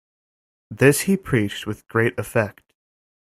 This he preached with great effect.